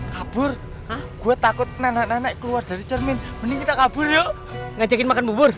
kabur gua takut nenek keluar dari cermin mending kita kabur yuk ngajakin makan bubur